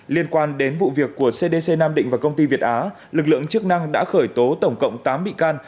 liên quan đến vụ việc của cdc nam định và công ty việt á lực lượng chức năng đã khởi tố tổng cộng tám bị can